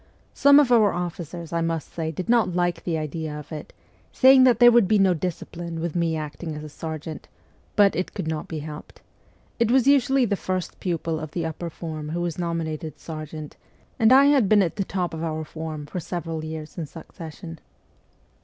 Some of our officers, I must say, did not like the idea of it, saying that there would be no discipline with me acting as a sergeant, but it could not be helped ; it was usually the first pupil of the upper form who was nominated sergeant, and I had been at the top of our form for several years in succession.